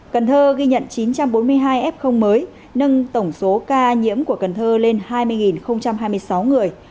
cần thơ ghi nhận chín trăm bốn mươi hai f mới nâng tổng số ca nhiễm của cần thơ lên hai mươi hai mươi sáu người